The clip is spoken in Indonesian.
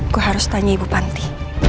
gue harus tanya ibu panti